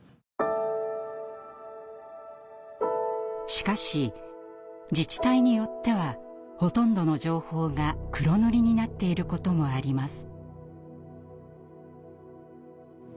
しかし自治体によってはほとんどの情報が黒塗りになっていることもあります。